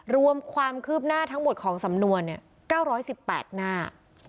รวมความคืบหน้าทั้งหมดของสำนวน๙๑๘หน้า